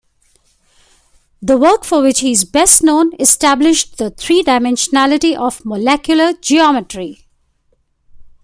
The work for which he is best known established the three-dimensionality of molecular geometry.